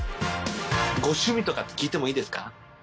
ご趣味とかって聞いてもいいですか？